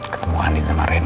ketemu andin sama rena